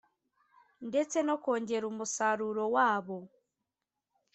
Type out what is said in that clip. ndetse no kongera umusaruro wabo